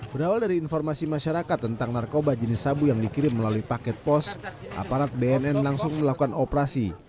berawal dari informasi masyarakat tentang narkoba jenis sabu yang dikirim melalui paket pos aparat bnn langsung melakukan operasi